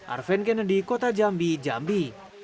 arven kennedy kota jambi jambi